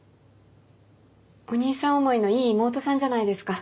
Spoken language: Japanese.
お兄さん思いのいい妹さんじゃないですか。